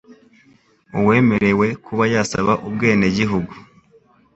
Uwemerewe kuba yasaba ubwenegihugu